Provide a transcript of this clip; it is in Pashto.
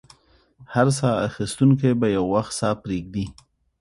هر ساه اخیستونکی به یو وخت ساه پرېږدي.